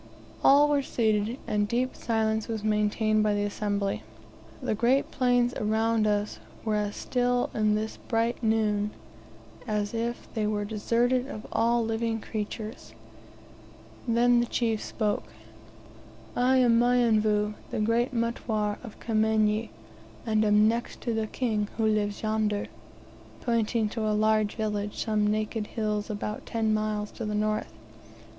All were seated, and deep silence was maintained by the assembly. The great plains around us were as still in this bright noon as if they were deserted of all living creatures. Then the chief spoke: "I am Mionvu, the great Mutware of Kimenyi, and am next to the King, who lives yonder," pointing to a large village near some naked hills about ten miles to the north.